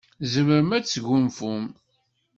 Zemren ad sgunfun.